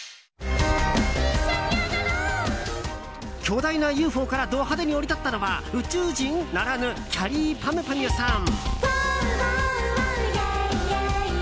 巨大なＵＦＯからド派手に降り立ったのは宇宙人？ならぬきゃりーぱみゅぱみゅさん。